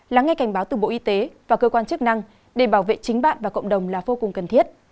lắng nghe cảnh báo từ bộ y tế và cơ quan chức năng để bảo vệ chính bạn và cộng đồng là vô cùng cần thiết